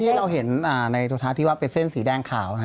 คือที่เราเห็นในโทษธาตุที่ว่าเป็นเส้นสีแดงขาวนะครับ